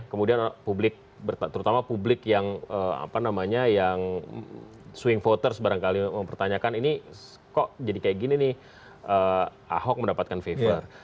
kemudian publik terutama publik yang swing voters barangkali mempertanyakan ini kok jadi kayak gini nih ahok mendapatkan favor